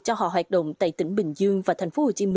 cho họ hoạt động tại tỉnh bình dương và tp hcm